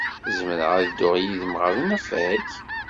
Zemreɣ ad dduɣ yid-m ɣer unafag?